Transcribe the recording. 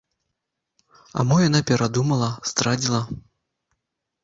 А мо яна перадумала, здрадзіла?